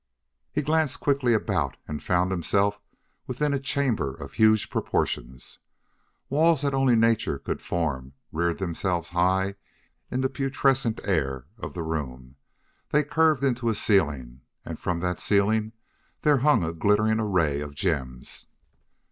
He glanced quickly about and found himself within a chamber of huge proportions. Walls that only nature could form reared themselves high in the putrescent air of the room; they curved into a ceiling, and from that ceiling there hung a glittering array of gems.